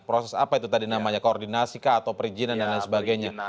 proses apa itu tadi namanya koordinasi kah atau perizinan dan lain sebagainya